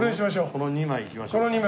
この２枚いきましょう。